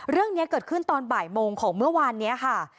เรื่องนี้เกิดขึ้นตอนบ่ายโมงของเมื่อวานนี้ค่ะ